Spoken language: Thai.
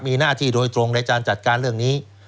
มีหน้าที่โดยตรงในการจัดการเรื่องนี้